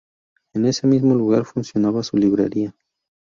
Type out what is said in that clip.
En ese mismo lugar funcionaba su librería.